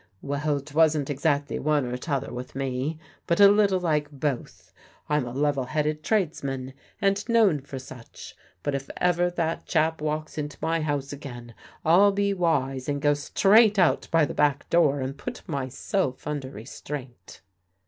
Well, 'twasn' exactly one or t'other with me, but a little like both. I'm a level headed tradesman, and known for such, but if ever that chap walks into my house again, I'll be wise, and go straight out by the back door and put myself under restraint."